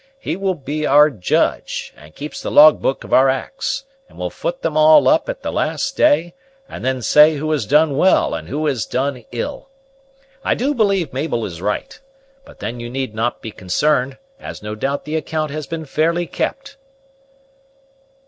He will be our Judge, and keeps the log book of our acts, and will foot them all up at the last day, and then say who has done well and who has done ill. I do believe Mabel is right; but then you need not be concerned, as no doubt the account has been fairly kept."